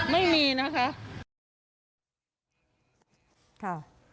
ไม่มีนะคะ